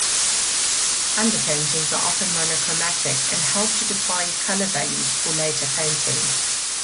Underpaintings are often monochromatic and help to define color values for later painting.